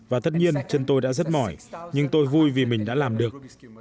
và tất nhiên chân tôi đã rất mỏi nhưng tôi vui vì mình đã làm được